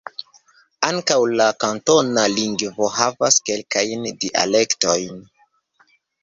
Ankaŭ la kantona lingvo havas kelkajn dialektojn.